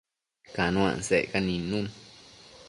Cano asecca nidnun